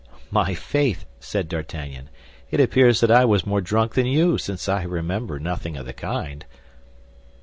"My faith," said D'Artagnan, "it appears that I was more drunk than you, since I remember nothing of the kind."